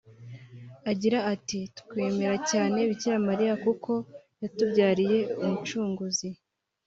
Agira ati “Twemera cyane Bikira Mariya kuko yatubyariye umucunguzi